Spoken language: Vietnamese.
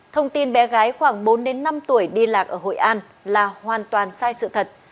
thông tin bé gái khoảng bốn năm tuổi đi lạc ở hội an là hoàn toàn sai sự thật